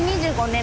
２５年？